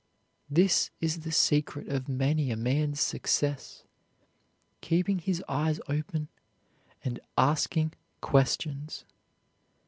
This is the secret of many a man's success, keeping his eyes open and asking questions.